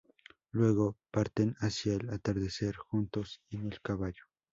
Luego, parten hacia el atardecer juntos en el caballo.